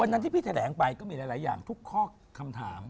นั้นที่พี่แถลงไปก็มีหลายอย่างทุกข้อคำถาม